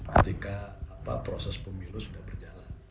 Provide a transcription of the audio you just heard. ketika proses pemilu sudah berjalan